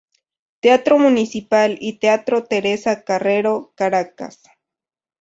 Teatro Municipal y Teatro Teresa Carrero, Caracas.